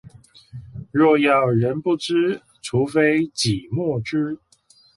若要人不知，除非擠墨汁